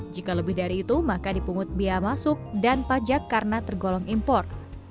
jika lebih dari itu maka dipungut biaya masuk dan pajak karena tergolong impor